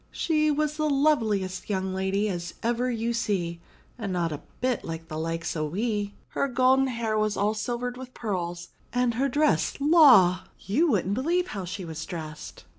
"She was the loveliest young lady as ever you see, not a bit like the likes o' we. Her golden hair was all silvered wi' pearls, and her dress — law ! You wouldn't believe how she was dressed.